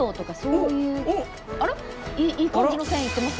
いい感じの線いってます？